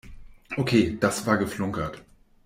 Okay, das war geflunkert.